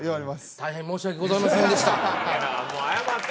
大変申し訳ございませんでした。